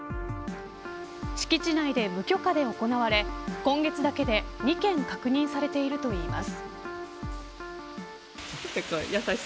敷地内で無許可で行われ今月だけで２件確認されているといいます。